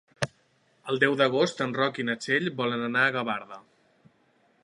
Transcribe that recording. El deu d'agost en Roc i na Txell volen anar a Gavarda.